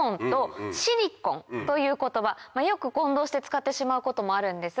という言葉よく混同して使ってしまうこともあるんですが。